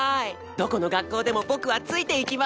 どこの学校でも僕はついていきま。